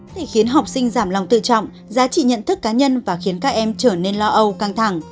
thì khiến học sinh giảm lòng tự trọng giá trị nhận thức cá nhân và khiến các em trở nên lo âu căng thẳng